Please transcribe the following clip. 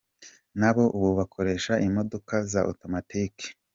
Nabo ubu bakoresha imodoka za automatic.